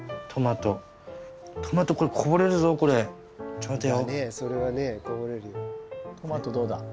トマトどうだ？